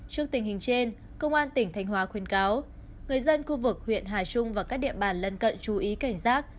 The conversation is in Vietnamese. trước tình hình trên công an tỉnh thanh hóa khuyên cáo người dân khu vực huyện hà trung và các địa bàn lân cận chú ý cảnh giác